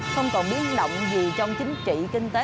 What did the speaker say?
không còn biến động gì trong chính trị kinh tế